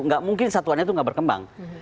enggak mungkin satuannya itu enggak berkembang